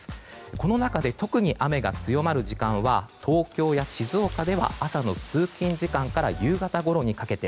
この中で特に雨が強まる時間は東京や静岡では朝の通勤時間から夕方ごろにかけて。